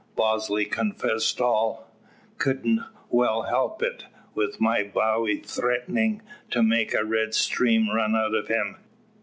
Bosley's confessed all. Ked'nt well help it, wi' my bowie threetenin' to make a red stream run out o' him.